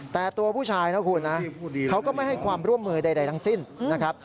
แต่ตัวผู้ชายนะคุณนะเขาก็ไม่ให้ความร่วมมือใดทั้งสิ้นนะครับ